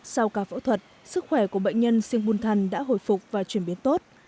sau cả phẫu thuật sức khỏe của bệnh nhân siêng bùn thăn đã hồi phục và truyền biến tốt